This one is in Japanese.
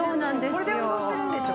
これで運動してるんでしょ？